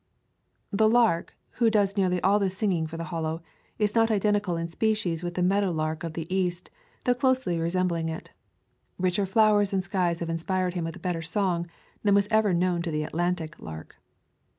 The lark, who does nearly all the singing for the Hollow, is not identical in species with the meadowlark of the East, though closely resembling it; richer flowers and skies have inspired him with a better song than was ever known to the Atlantic lark.